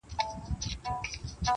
اوس چي مخ هرې خوا ته اړوم الله وينم